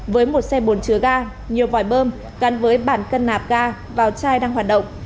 với một xe bồn chứa ga nhiều vòi bơm gắn với bản cân nạp ga vào chai đang hoạt động